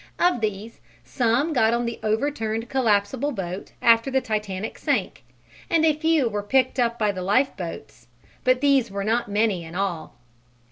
Of these some got on the overturned collapsible boat after the Titanic sank, and a few were picked up by the lifeboats, but these were not many in all.